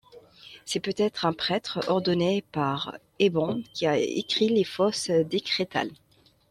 C’est peut-être un prêtre ordonné par Ebon qui a écrit les fausses décrétales.